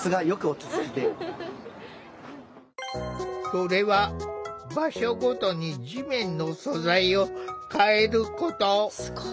それは場所ごとに地面の素材を変えること。